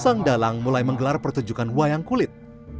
sang dalang mulai menggelar pertunjukan wayang kulit